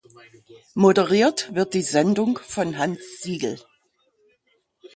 Moderiert wird die Sendung von Hans Sigl.